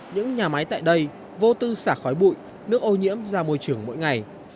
những nhà máy tại đây vô tư xả khói bụi nước ô nhiễm ra môi trường mỗi ngày